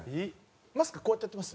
マスクこうやってやってます？